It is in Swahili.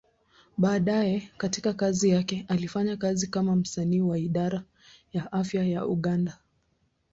Baadaye katika kazi yake, alifanya kazi kama msanii wa Idara ya Afya ya Uganda.